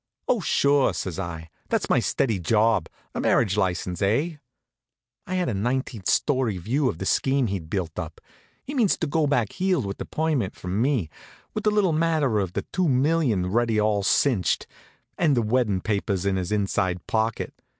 "Oh, sure," says I. "That's my steady job. A marriage license, eh?" I had a nineteenth story view of the scheme he'd built up. He means to go back heeled with the permit from me, with the little matter of the two million ready all cinched, and the weddin' papers in his inside pocket.